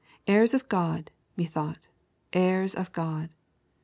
Heirs of God, methought, heirs of God!